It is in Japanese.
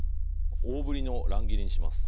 大ぶりの乱切りにします。